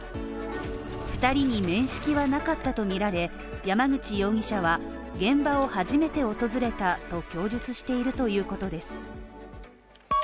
２人に面識はなかったとみられ山口容疑者は現場を初めて訪れたと供述しているということです。